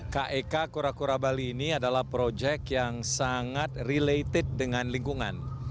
kek kura kura bali ini adalah proyek yang sangat related dengan lingkungan